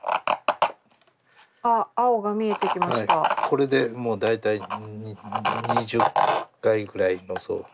これでもう大体２０階ぐらいの層。